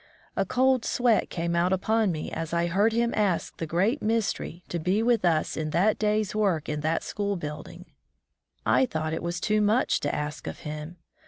A cold sweat came out upon me as I heard him ai^k the "Great Mystery" to be with us in that day's work in that school building. I thought it was too much to ask of Him.